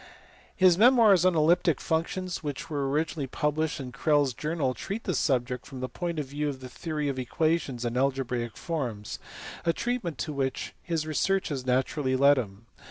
His memoirs on elliptic functions which were originally published in Crellds Journal treat the subject from the point of view of the theory of equations and algebraic forms, a treatment to which his researches naturally led him.